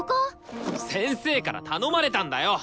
先生から頼まれたんだよ！